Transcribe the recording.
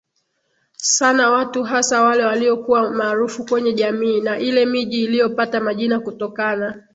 sana watu hasa wale waliokuwa maarufu kwenye jamii Na ile miji iliyopata majina kutokana